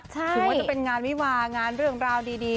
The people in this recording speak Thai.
ถึงว่าจะเป็นงานวิวางานเรื่องราวดี